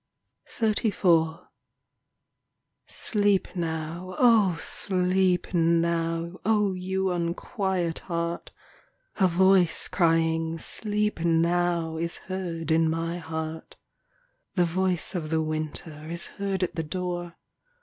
XXXIV Sleep now, O sleep now, O you unquiet heart ! A voice crying " Sleep now" Is heard in my heart. The voice of the winter Is heard at the door.